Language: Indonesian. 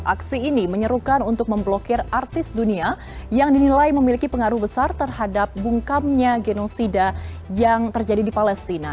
aksi ini menyerukan untuk memblokir artis dunia yang dinilai memiliki pengaruh besar terhadap bungkamnya genosida yang terjadi di palestina